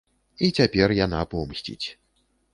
І цяпер яна помсціць.